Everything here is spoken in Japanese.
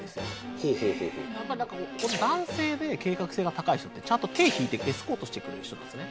ほうほうほうほう男性で計画性が高い人ってちゃんと手を引いてエスコートしてくれる人なんですね・